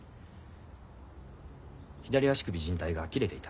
左足首じん帯が切れていた。